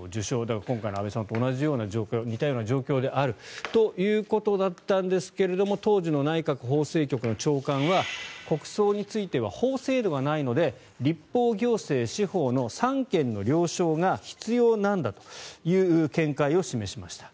だから今回の安倍さんと似たような状況であるということだったんですが当時の内閣法制局の長官は国葬については法制度がないので立法、行政、司法の三権の了承が必要なんだという見解を示しました。